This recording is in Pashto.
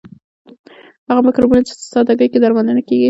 هغه مکروبونه چې په ساده ګۍ درملنه کیږي.